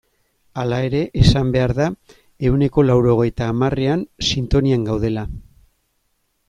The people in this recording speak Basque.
Hala ere, esan behar da ehuneko laurogeita hamarrean sintonian gaudela.